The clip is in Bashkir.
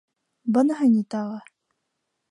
Быныһы ни тағы?